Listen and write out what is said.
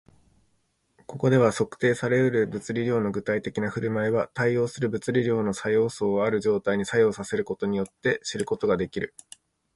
ここでは、測定され得る物理量の具体的な振る舞いは、対応する物理量の作用素をある状態に作用させることによって知ることができる